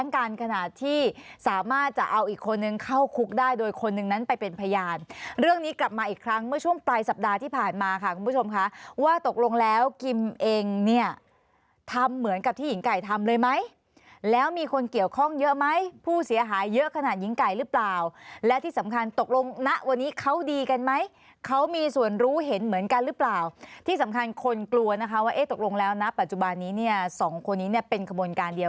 การขนาดที่สามารถจะเอาอีกคนนึงเข้าคุกได้โดยคนนึงนั้นไปเป็นพยานเรื่องนี้กลับมาอีกครั้งเมื่อช่วงปลายสัปดาห์ที่ผ่านมาค่ะคุณผู้ชมค่ะว่าตกลงแล้วกิมเองเนี่ยทำเหมือนกับที่หญิงไก่ทำเลยไหมแล้วมีคนเกี่ยวข้องเยอะไหมผู้เสียหายเยอะขนาดหญิงไก่หรือเปล่าและที่สำคัญตกลงนะวันนี้เขาดีกันไหมเขามีส่ว